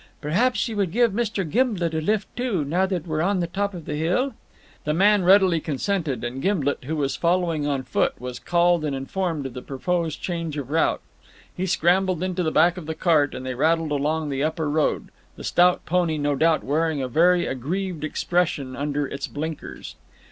Perhaps you would give Mr. Gimblet a lift too, now that we're on top of the hill?" The man readily consented, and Gimblet, who was following on foot, was called and informed of the proposed change of route. He scrambled into the back of the cart and they rattled along the upper road, the stout pony no doubt wearing a very aggrieved expression under its blinkers.